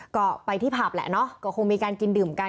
ก็ไปที่ผับแหละเนาะก็คงมีการกินดื่มกัน